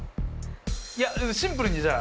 いやシンプルにじゃあ。